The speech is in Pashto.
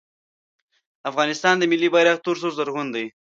د افغانستان ملي بیرغ تور سور زرغون دی